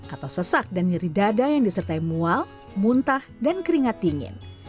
atau sesak dan nyeri dada yang disertai mual muntah dan keringat dingin